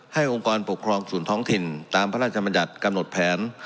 องค์กรปกครองส่วนท้องถิ่นตามพระราชมัญญัติกำหนดแผน